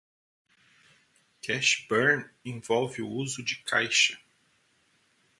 Cash Burn envolve o uso de caixa.